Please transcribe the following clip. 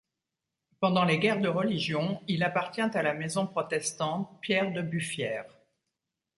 Pendant les guerres de religion, il appartient à la maison protestante Pierre de Buffière.